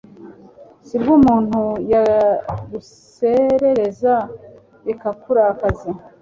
subwo umuntu yaguserereza bikakurakaza